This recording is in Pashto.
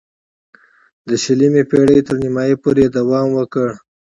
د شلمې پېړۍ تر نیمايی پورې یې دوام وکړ.